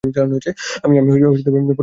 আমি পুরোপুরি বোকা নই।